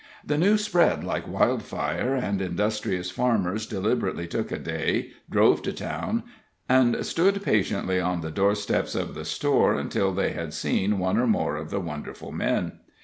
The news spread like wildfire, and industrious farmers deliberately took a day, drove to town, and stood patiently on the door steps of the store until they had seen one or more of the wonderful men.